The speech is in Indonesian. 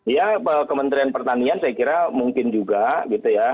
ya kementerian pertanian saya kira mungkin juga gitu ya